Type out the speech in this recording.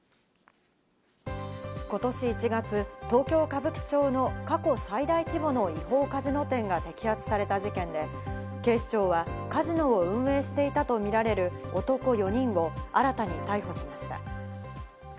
ことし１月、東京・歌舞伎町の過去最大規模の違法カジノ店が摘発された事件で、警視庁はカジノを運営していたとみられる男４人を新たに逮捕しました。